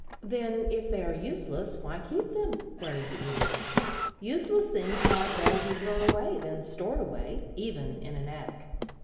"Then if they are useless, why keep them?" queried the Idiot. "Useless things might better be thrown away than stored away even in an attic."